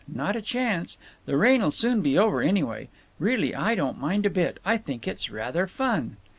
Not a chance. The rain'll soon be over, anyway. Really, I don't mind a bit. I think it's rather fun."